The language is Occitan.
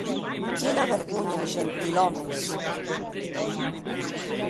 Quina vergonha, gentilòmes!